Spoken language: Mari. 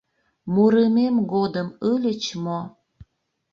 Мурымем годым ыльыч мо?